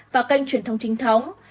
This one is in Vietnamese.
và kênh truyền thông chính thống